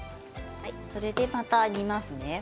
それで、また煮ますね。